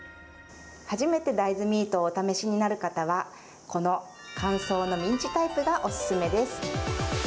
初めて大豆ミートをお試しになる方は、この乾燥のミンチタイプがお勧めです。